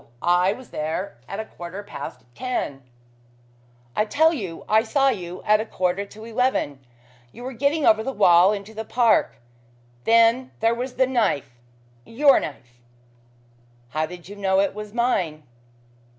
I was there at a quarter past ten." "I tell you I saw you at a quarter to eleven. You were getting over the wall into the park. Then there was the knife your knife." "How did you know it was mine?"